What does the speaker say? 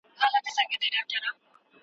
ماشوم د غونډۍ په سر د یوې تېږې تر شا پټ شو.